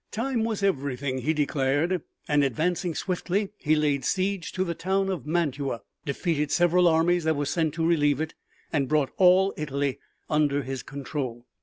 Time was everything, he declared, and advancing swiftly he laid siege to the town of Mantua, defeated several armies that were sent to relieve it and brought all Italy under his control.